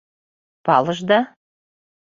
— Палышда?